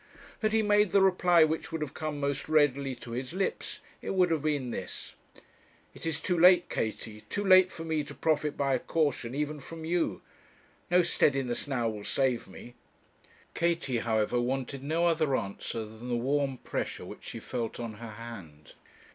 Had he made the reply which would have come most readily to his lips, it would have been this: 'It is too late, Katie too late for me to profit by a caution, even from you no steadiness now will save me.' Katie, however, wanted no other answer than the warm pressure which she felt on her hand.